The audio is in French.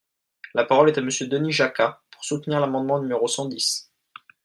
La parole est à Monsieur Denis Jacquat, pour soutenir l’amendement numéro cent dix.